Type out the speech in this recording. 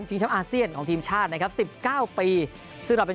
ช้ำอาเซียนของทีมชาตินะครับสิบเก้าปีซึ่งเราเป็น